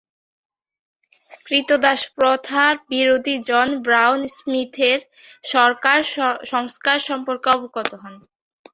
ক্রীতদাস প্রথার বিরোধী জন ব্রাউন স্মিথের সংস্কার সম্পর্কে অবগত হন।